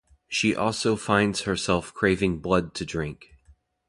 She also finds herself craving blood to drink.